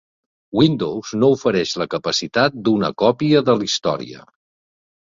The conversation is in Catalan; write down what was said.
Windows no ofereix la capacitat d'una còpia de l'història.